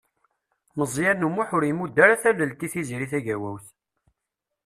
Meẓyan U Muḥ ur imudd ara tallelt i Tiziri Tagawawt.